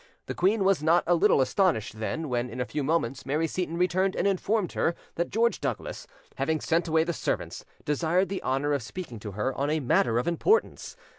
The queen was not a little astonished, then, when in a few minutes Mary Seyton returned and informed her that George Douglas, having sent away the servants, desired the honour of speaking to her on a matter of importance.